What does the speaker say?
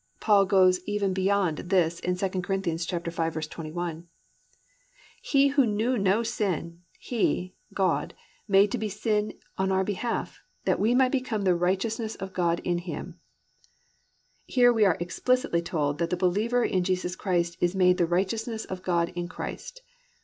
Paul goes even beyond this in 2 Cor. 5:21, +"He who knew no sin he (God) made to be sin on our behalf; that we might become the righteousness of God in him."+ Here we are explicitly told that the believer in Jesus Christ is made the righteousness of God in Christ.